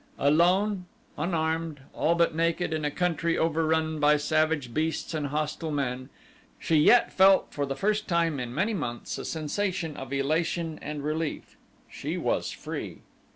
Alone, unarmed, all but naked, in a country overrun by savage beasts and hostile men, she yet felt for the first time in many months a sensation of elation and relief. She was free!